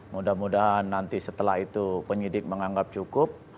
mudah mudahan nanti setelah itu penyidik menganggap cukup